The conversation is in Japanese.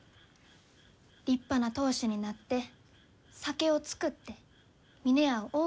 立派な当主になって酒を造って峰屋を大きゅうして。